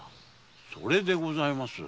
それでございます。